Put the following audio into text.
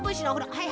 はい